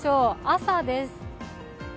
朝です。